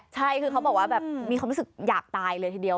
ใช่คือเขาบอกว่าแบบมีความรู้สึกอยากตายเลยทีเดียว